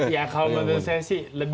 ya kalau menurut saya sih lebih